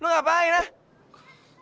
lu ngapain ah